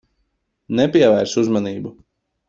Nepievērs uzmanību.